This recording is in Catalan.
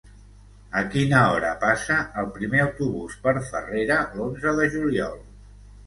A quina hora passa el primer autobús per Farrera l'onze de juliol?